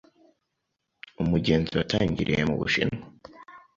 Umugenzo watangiriye mu Bushinwa.